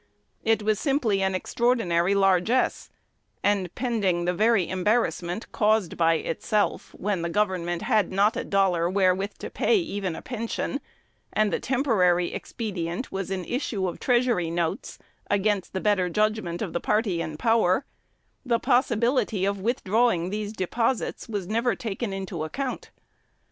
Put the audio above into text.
It was simply an extraordinary largess; and pending the very embarrassment caused by itself, when the government had not a dollar wherewith to pay even a pension, and the temporary expedient was an issue of treasury notes against the better judgment of the party in power, the possibility of withdrawing these deposits was never taken into the account.